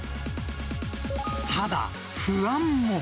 ただ、不安も。